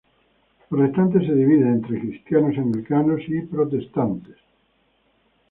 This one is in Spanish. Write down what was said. Los restantes se dividen entre cristianos anglicanos y protestantes.